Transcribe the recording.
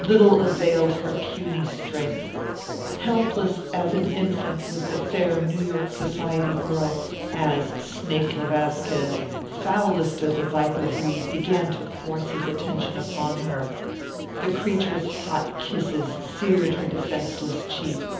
Little availed her puny strength. Helpless as an infant was the fair New York society girl as Snake le Vasquez, foulest of the viper breed, began to force his attention upon her. The creature's hot kisses seared her defenseless cheek.